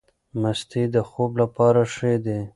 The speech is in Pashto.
مستې د خوب لپاره ښې دي.